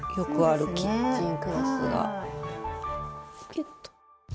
キュッと。